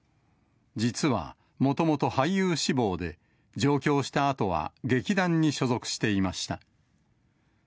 実は、もともと俳優志望で、上京したあとは劇団に所属していました。